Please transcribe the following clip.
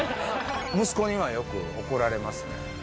息子にはよく怒られますね。